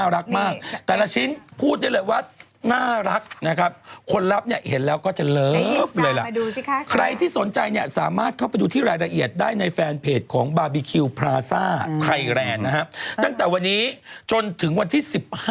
ปอดมาปึ๊บเป็นอย่างนี้หนมปังเป็นอย่างนี้